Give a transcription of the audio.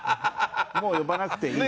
もう呼ばなくていい。